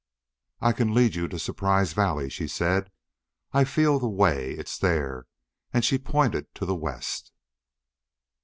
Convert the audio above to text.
"I can lead you to Surprise Valley," she said. "I feel the way. It's there!" And she pointed to the west.